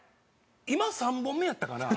今３本目やったかな？